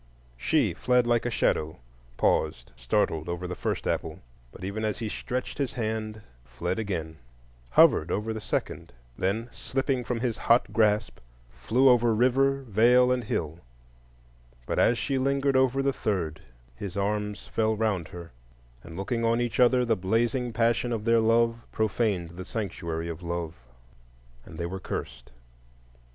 She fled like a shadow, paused, startled over the first apple, but even as he stretched his hand, fled again; hovered over the second, then, slipping from his hot grasp, flew over river, vale, and hill; but as she lingered over the third, his arms fell round her, and looking on each other, the blazing passion of their love profaned the sanctuary of Love, and they were cursed.